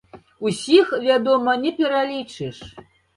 Усіх, вядома, не пералічыш.